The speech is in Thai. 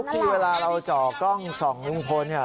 ที่เวลาเราเจาะกล้องส่องลุงพลเนี่ย